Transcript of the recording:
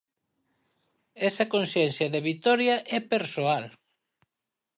Esa conciencia de vitoria é persoal.